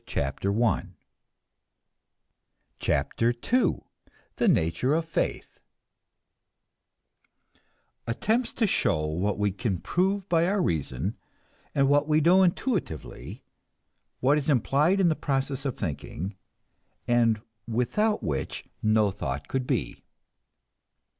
CHAPTER II THE NATURE OF FAITH (Attempts to show what we can prove by our reason, and what we know intuitively; what is implied in the process of thinking, and without which no thought could be.)